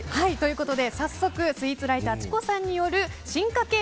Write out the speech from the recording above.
早速、スイーツライターｃｈｉｃｏさんによる進化系